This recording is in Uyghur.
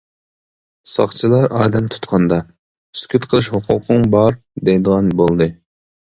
ساقچىلار ئادەم تۇتقاندا: «سۈكۈت قىلىش ھوقۇقۇڭ بار» دەيدىغان بولدى.